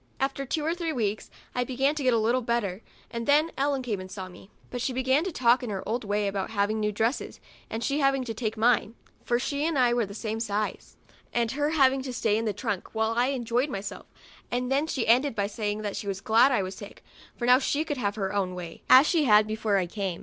After two or three weeks I began to get a little better, and then Ellen came and saw me; but she began to talk in her old way about my having new dresses, and she having to take mine, (for she and I were of the same size,) and her having to stay in the trunk while I enjoyed myself, and then she ended by saying that she was glad I was sick, for now she could have her own way, as she had before I came.